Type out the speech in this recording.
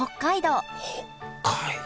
北海道。